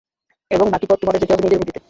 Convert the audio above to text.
এবং বাকি পথ তোমাদের যেতে হবে নিজের বুদ্ধিতে।